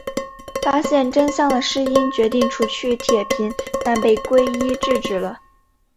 发现真相的诗音决定除去铁平但被圭一制止了。